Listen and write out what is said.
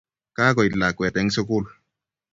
Kakoit lakwet eng sugul